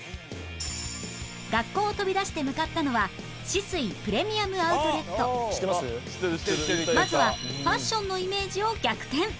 学校を飛び出して向かったのはまずはファッションのイメージを逆転